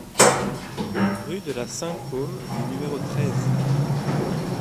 Rue de la Saint-Côme au numéro treize